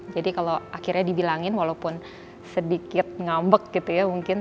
jadi kalau akhirnya dibilangin walaupun sedikit ngambek gitu ya mungkin